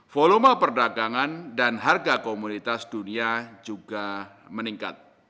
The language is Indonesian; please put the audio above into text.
volume perdagangan dan harga komoditas dunia juga meningkat